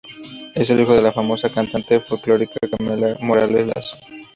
Es hijo de la famosa cantante folclórica Carmela Morales Lazo.